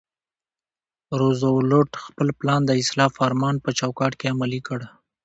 روزولټ خپل پلان د اصلاح فرمان په چوکاټ کې عملي کړ.